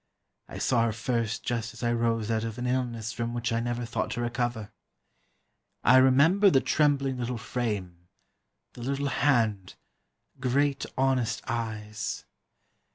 I saw her first just as I rose out of an illness from which I never thought to recover. I remember the trembling little frame, the little hand, the great honest eyes.